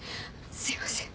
すいません。